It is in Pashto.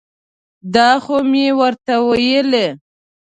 دا خو مې ورته ویلي.